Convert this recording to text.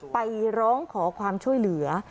ไปร้องขอความช่วยเหลือ